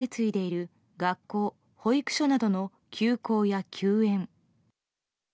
また全国で相次いでいる学校、保育所などの休校や休園。